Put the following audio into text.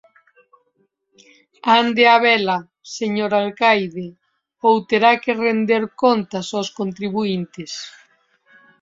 Ande á vela, señor alcaide, ou terá que render contas ós contribuíntes...